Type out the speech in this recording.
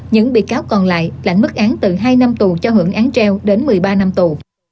những bị cáo còn lại lãnh mức án từ hai năm tù cho hưởng án treo đến một mươi ba năm tù